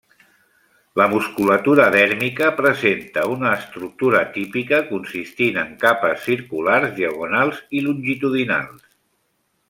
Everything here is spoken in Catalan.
La musculatura dèrmica presenta una estructura típica consistint en capes circulars, diagonals i longitudinals.